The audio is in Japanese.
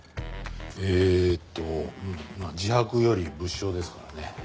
えーっとうんまあ自白より物証ですからね。